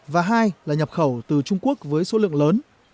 và hai là nhập khẩu từ trung quốc với số lượng lớn